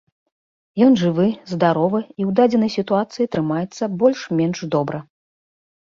Ён жывы, здаровы і ў дадзенай сітуацыі трымаецца больш-менш добра.